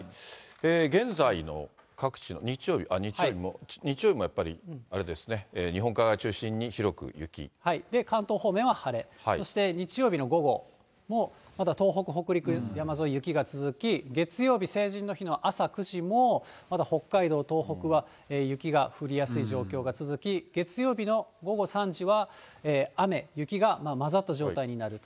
現在の各地の、日曜日、日曜日もやっぱりあれですね、関東方面は晴れ、そして、日曜日の午後も、まだ東北、北陸山沿いは雪が続き、月曜日、成人の日の朝９時もまだ北海道、東北は雪が降りやすい状況が続き、月曜日の午後３時は、雨、雪が混ざった状態になると。